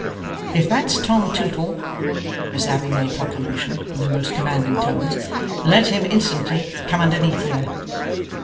'If that's Tom Tootle,' Miss Abbey made proclamation, in her most commanding tones, 'let him instantly come underneath here.